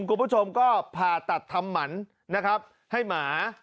คุณผู้ชมก็ผ่าตัดทำหมันนะครับให้หมา